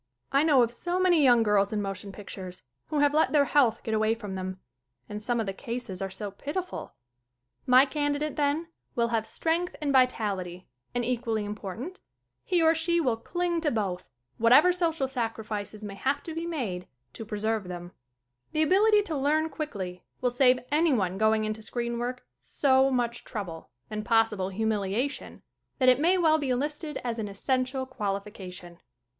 I know of so many young girls in motion pictures who have let their health get away from them. And some of the cases are so pitiful. ... My candidate, then, will have strength and vitality and, equally important, he or she will cling to both, whatever social sacrifices may have to be made to preserve them. 42 SCREEN ACTING The ability to learn quickly will save anyone going into screen work so much trouble and possible humiliation that it may well be listed as an essential qualification.